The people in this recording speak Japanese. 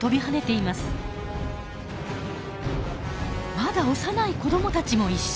まだ幼い子どもたちも一緒。